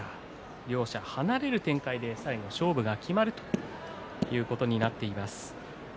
両者離れる展開で最後勝負が決まるということになっています。